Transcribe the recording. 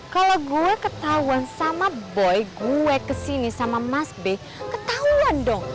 kalau gue ketahuan sama boy gue kesini sama mas b ketahuan dong